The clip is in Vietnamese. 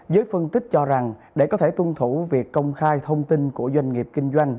giới phân tích cho rằng để có thể tuân thủ việc công khai thông tin của doanh nghiệp kinh doanh